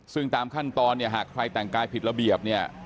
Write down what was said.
ซึ่งตามขั้นตอนเนี่ยหากใครแต่งกายผิดระเบียบเนี่ย